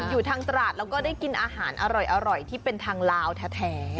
อยู่ทางตราดแล้วก็ได้กินอาหารอร่อยที่เป็นทางลาวแท้